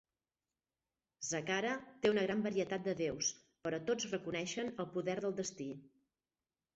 Zakhara té una gran varietat de déus, però tots reconeixen el poder del destí.